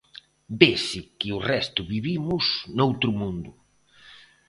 Vese que o resto vivimos noutro mundo.